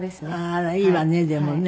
あらいいわねでもね。